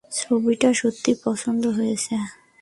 ছবিটা সত্যিই পছন্দ হয়েছে।